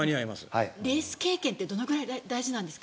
レース経験ってどれくらい大事なんですか？